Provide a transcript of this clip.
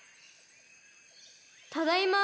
・ただいま。